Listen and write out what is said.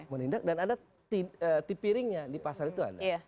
menindak dan ada tipiringnya di pasar itu